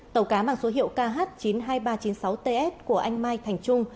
tàu cá mang số hiệu kh chín mươi hai nghìn ba trăm chín mươi sáu ts của anh mai thành trung